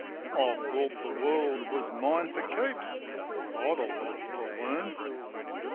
I thought the world was mine for keeps ; but I'd a lot to learn.